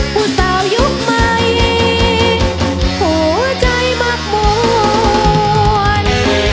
ผู้เศร้ายุคใหม่หัวใจมักหมวน